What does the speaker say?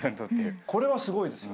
これはすごいですよ。